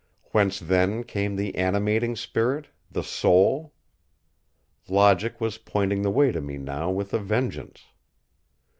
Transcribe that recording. Whence then came the animating spirit—the soul? Logic was pointing the way to me now with a vengeance!